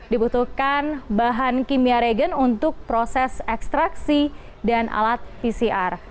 dibutuhkan bahan kimia regen untuk proses ekstraksi dan alat pcr